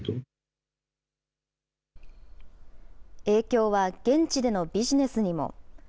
影響は現地でのビジネスにも。